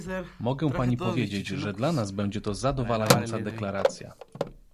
Mogę Pani powiedzieć, że dla nas będzie to zadawalająca deklaracja